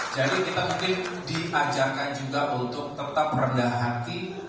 jadi kita mungkin diajarkan juga untuk tetap rendah hati